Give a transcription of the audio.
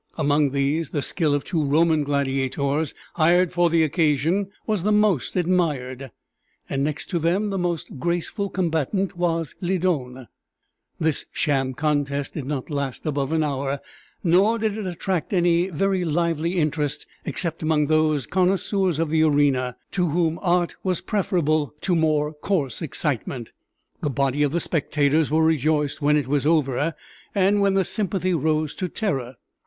Among these the skill of two Roman gladiators, hired for the occasion, was the most admired; and next to them the most graceful combatant was Lydon. This sham contest did not last above an hour, nor did it attract any very lively interest except among those connoisseurs of the arena to whom art was preferable to more coarse excitement; the body of the spectators were rejoiced when it was over, and when the sympathy rose to terror.